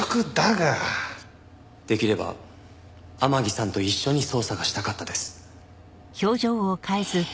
できれば天樹さんと一緒に捜査がしたかったです。